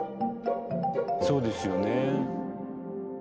そうですよね。